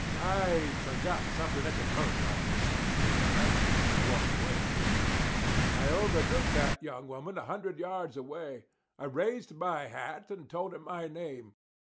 "I forgot something at the post office," says I, and walked away quick. I overtook that young woman a hundred yards away. I raised my hat and told her my name.